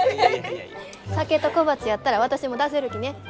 酒と小鉢やったら私も出せるきね。